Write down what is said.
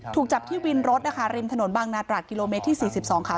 ถูกจับที่วินรถนะคะริมถนนบางนาตรากิโลเมตรที่๔๒ค่ะ